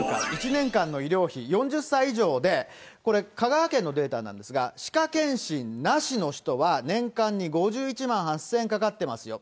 １年間の医療費、４０歳以上で、これ、香川県のデータなんですが、歯科健診なしの人は年間に５１万８０００円かかってますよ。